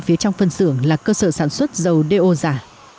phía trong phân xưởng là cơ sở sản xuất dầu đeo giả